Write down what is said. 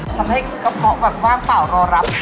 ทำให้กระเพาะแบบว่างเปล่ารอรับ